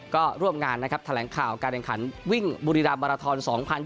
ก็ร่วมงานนะครับแถลงข่าวการแข่งขันวิ่งบุรีรามมาราทอน๒๐๒๐